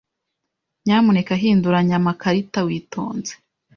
Nyamuneka hinduranya amakarita witonze.